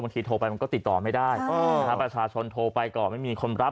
ทีโทรไปมันก็ติดต่อไม่ได้ประชาชนโทรไปก่อนไม่มีคนรับ